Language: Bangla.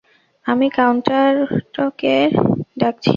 আমি কন্ডাকটরকে ডাকছি!